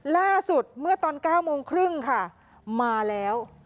ล่าสุดเมื่อตอน๙โมงครึ่งค่ะมาแล้ว